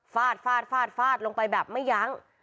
ฟาดฟาดฟาดฟาดลงไปแบบไม่ยั้ง